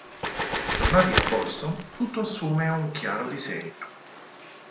Tornati a Boston, tutto assume un chiaro disegno.